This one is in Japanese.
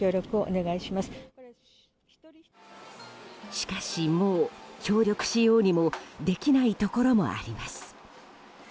しかし、もう協力しようにもできないところもあります。